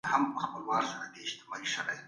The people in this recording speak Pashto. د کورونو تلاشي باید د محکمې په حکم وي.